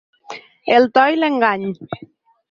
El to i l’engany.